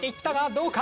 どうか？